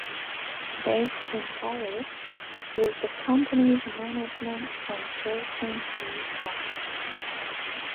Based in Paris, it is the company's management consultancy arm.